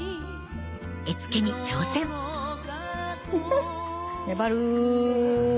絵付けに挑戦粘る。